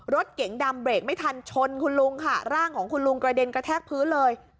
รถเก๋งดำเบรกไม่ทันชนคุณลุงค่ะร่างของคุณลุงกระเด็นกระแทกพื้นเลย